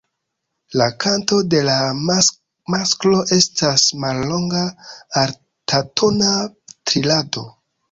La kanto de la masklo estas mallonga altatona trilado.